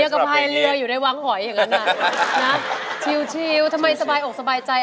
ย้ากภัยเรืออยู่ในว้างหอยอย่างนั้นนะครับชิ้วชิ้วทำไมสบายอกสบายใจ